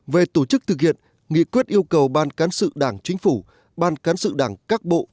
về tổ chức thực hiện nghị quyết yêu cầu ban cán sự đảng chính phủ ban cán sự đảng các bộ